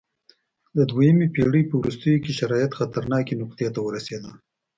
د دویمې پېړۍ په وروستیو کې شرایط خطرناکې نقطې ته ورسېدل